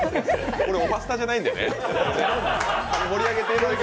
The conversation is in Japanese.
これ「おはスタ」じゃないんでね。